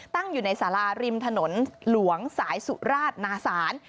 ตั้งอยู่ในสาราริมถนนหลวงสายสุราชนาศาล